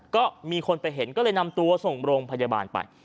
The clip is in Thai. ก็มีคนไปเห็นก็เลยนำตัวส่งโรงพยาบาลไป